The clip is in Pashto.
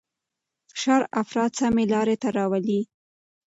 فشار افراد سمې لارې ته راولي.